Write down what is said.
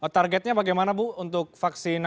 oke targetnya bagaimana bu untuk vaksinasi lansia